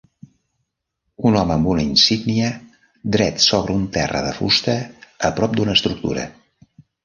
Un home amb una insígnia dret sobre un terra de fusta a prop d'una estructura.